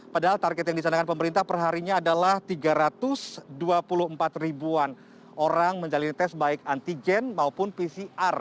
padahal target yang dicanangkan pemerintah perharinya adalah tiga ratus dua puluh empat ribuan orang menjalani tes baik antigen maupun pcr